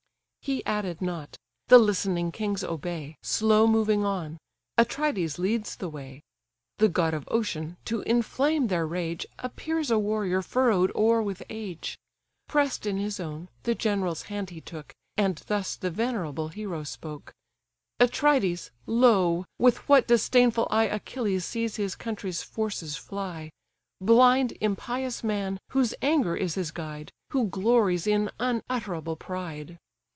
He added not: the listening kings obey, Slow moving on; Atrides leads the way. The god of ocean (to inflame their rage) Appears a warrior furrowed o'er with age; Press'd in his own, the general's hand he took, And thus the venerable hero spoke: "Atrides! lo! with what disdainful eye Achilles sees his country's forces fly; Blind, impious man! whose anger is his guide, Who glories in unutterable pride.